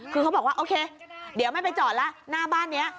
คือเขาบอกว่าโอเคเดี๋ยวไม่ไปจอดแล้วหน้าบ้านนี้